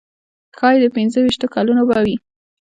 ښایي د پنځه ویشتو کلونو به وي.